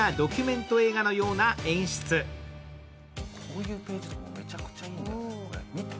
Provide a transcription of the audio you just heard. こういうページ、めちゃくちゃいいんだけど、見て。